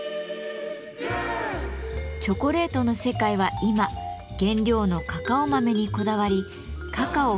チョコレートの世界は今原料のカカオ豆にこだわりカカオ